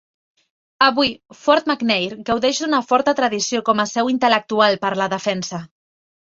Avui, Fort McNair gaudeix d'una forta tradició com a seu intel·lectual per la defensa.